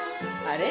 あれ？